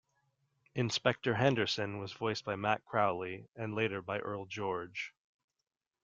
Inspector Henderson was voiced by Matt Crowley and later by Earl George.